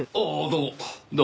どうも。